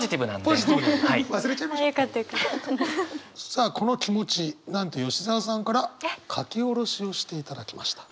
さあこの気持ちなんと吉澤さんから書き下ろしをしていただきました。